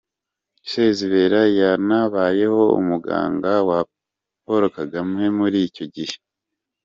Sezibera yanabayeho umuganga wa Poro Kagame muri icyo gihe.